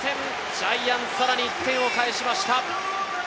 ジャイアンツさらに１点を返しました！